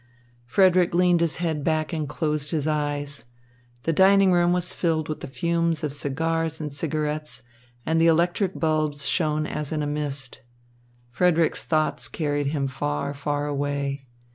Frederick leaned his head back and closed his eyes. The dining room was filled with the fumes of cigars and cigarettes, and the electric bulbs shone as in a mist. Frederick's thoughts carried him far, far away.